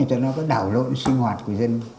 cho nó có đảo lộn sinh hoạt của dân